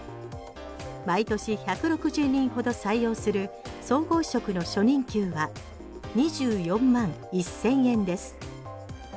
毎年１６０人ほど採用する総合職の初任給は２４万１０００円です。